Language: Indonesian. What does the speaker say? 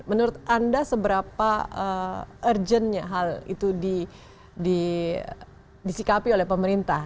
menurut anda seberapa urgentnya hal itu disikapi oleh pemerintah